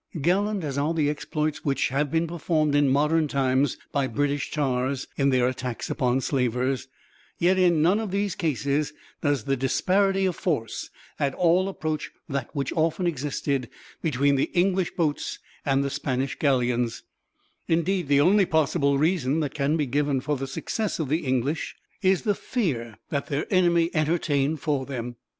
Gallant as are the exploits which have been performed in modern times by British tars, in their attacks upon slavers, yet in none of these cases does the disparity of force at all approach that which often existed between the English boats and the Spanish galleons; indeed, the only possible reason that can be given, for the success of the English, is the fear that their enemy entertained for them.